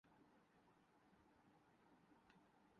وہ صرف انتہا پسندی پیدا کرتی ہے۔